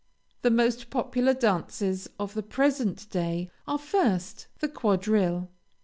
The most popular dances of the present day, are, first, the quadrille.